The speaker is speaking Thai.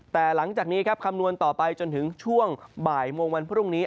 แต่หลังจากนี้ครับคำนวณต่อไปจนถึงช่วงบ่ายโมงวันพรุ่งนี้